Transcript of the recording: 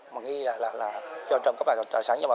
mà nghi là cho trong các tài sản